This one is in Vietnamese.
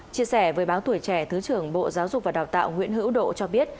chia sẻ với báo tuổi trẻ thứ trưởng bộ giáo dục và đào tạo nguyễn hữu độ cho biết